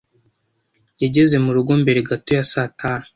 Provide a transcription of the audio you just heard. Yageze murugo mbere gato ya saa tanu.